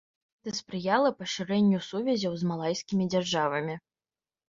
Гэта спрыяла пашырэнню сувязяў з малайскімі дзяржавамі.